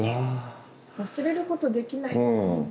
忘れることできないですよね。